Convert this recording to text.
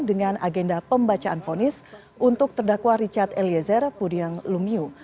dengan agenda pembacaan fonis untuk terdakwa richard eliezer pudiang lumiu